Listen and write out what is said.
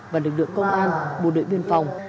và lực lượng công an bộ đội biên phòng